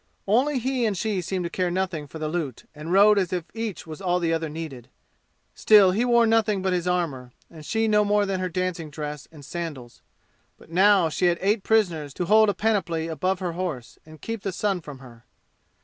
Only he and she seemed to care nothing for the loot and rode as if each was all the other needed. Still he wore nothing but his armor, and she no more than her dancing dress and sandals. But now she had eight prisoners to hold a panoply above her horse and keep the sun from her.